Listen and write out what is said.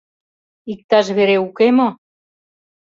ИКТАЖ ВЕРЕ УКЕ МО?